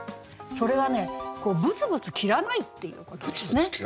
それはねこうブツブツ切らないっていうことですね。